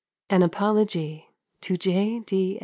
An Apology. TO J. D.